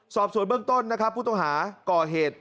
สอบสวนเบื้องต้นนะครับผู้ต้องหาก่อเหตุ